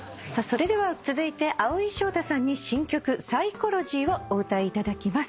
それでは続いて蒼井翔太さんに新曲『ＰＳＹＣＨＯ：ＬＯＧＹ』をお歌いいただきます。